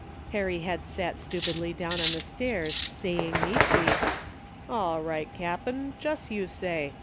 Harry had sat stupidly down on the stairs saying meekly, "All right, cap'n, jes's you say.